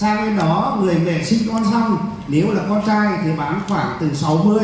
sang bên đó người mẹ sinh con xong nếu là con trai thì bán khoảng từ sáu mươi cho đến bảy mươi triệu một người